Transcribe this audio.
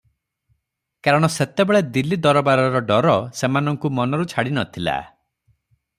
କାରଣ ସେତେବେଳେ ଦିଲ୍ଲୀ ଦରବାରର ଡର ସେମାନଙ୍କୁ ମନରୁ ଛାଡ଼ି ନଥିଲା ।